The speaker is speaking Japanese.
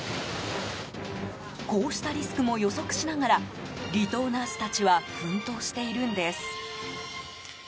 こうしたリスクも予測しながら離島ナースたちは奮闘しているんです。